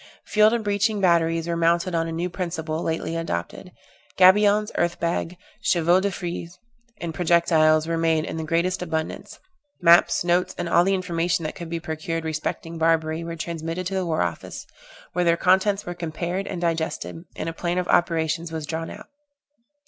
Field and breaching batteries were mounted on a new principle lately adopted; gabions, earth bags, chevaux de frise, and projectiles were made in the greatest abundance maps, notes, and all the information that could be procured respecting Barbary were transmitted to the war office, where their contents were compared and digested, and a plan of operations was drawn out.